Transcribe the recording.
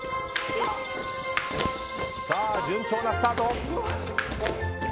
順調なスタート。